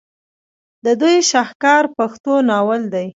د دوي شاهکار پښتو ناول دے